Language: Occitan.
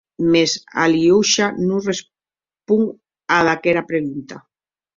Mès Aliosha non responc ad aguesta pregunta.